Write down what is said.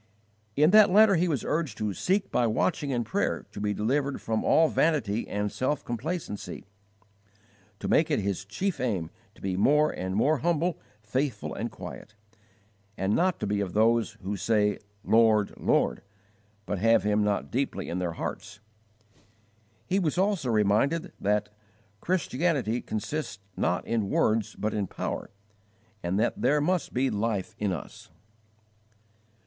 In that letter he was urged to "seek by watching and prayer to be delivered from all vanity and self complacency," to make it his "chief aim to be more and more humble, faithful, and quiet," and not to be of those who "say 'Lord, Lord,' but have Him not deeply in their hearts." He was also reminded that "Christianity consists not in words but in power, and that there must be life in us."